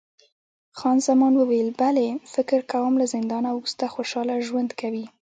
خان زمان وویل، بلی، فکر کوم له زندانه وروسته خوشحاله ژوند کوي.